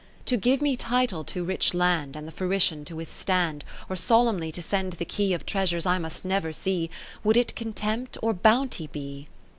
10 To give me title to rich land. And the fruition to withstand, Or solemnly to send the key Of treasures I must never see. Would it contempt, or bounty be